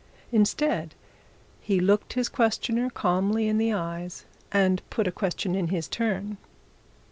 Instead, he looked his questioner calmly in the eyes, and put a question in his turn.